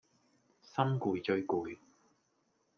心攰最攰